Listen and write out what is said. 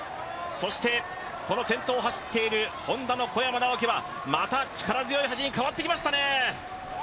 そしてこの先頭を走っているＨｏｎｄａの小山直城はまた力強い走りに変わってきましたね。